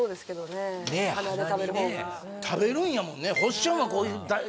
鼻にね食べるんやもんね